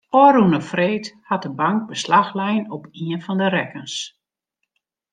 Ofrûne freed hat de bank beslach lein op ien fan de rekkens.